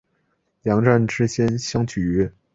两站之间相距约。